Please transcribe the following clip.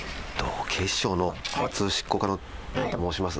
警視庁の交通執行課の×××と申します。